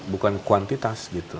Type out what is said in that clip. bukan kuantitas gitu